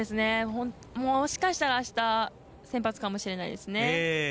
もしかしたら、あした先発かもしれないですね。